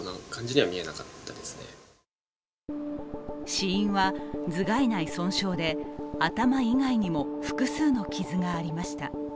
死因は頭蓋内損傷で頭以外にも複数の傷がありました。